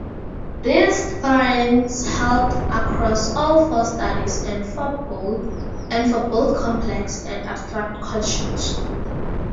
These trends held across all four studies and for both complex and abstract questions.